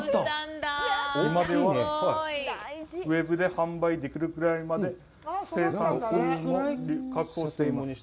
今では、ウェブで販売できるくらいまで生産量を確保しています。